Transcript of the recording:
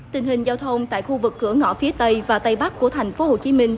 tình hình giao thông tại khu vực cửa ngõ phía tây và tây bắc của tp hcm